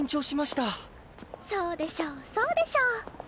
そうでしょうそうでしょう。